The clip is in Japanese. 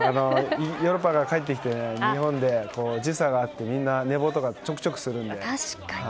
ヨーロッパから帰ってきて日本で時差があって、みんな寝坊とかちょくちょくするので。